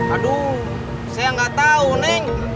aduh saya gak tau neng